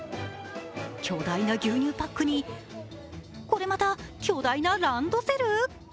巨大な牛乳パックに、これまた巨大なランドセル。